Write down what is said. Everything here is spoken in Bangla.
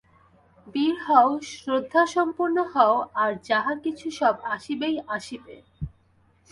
বীর হও, শ্রদ্ধাসম্পন্ন হও, আর যাহা কিছু সব আসিবেই আসিবে।